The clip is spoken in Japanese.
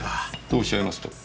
とおっしゃいますと？